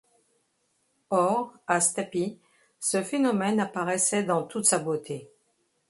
Or, à Stapi, ce phénomène apparaissait dans toute sa beauté.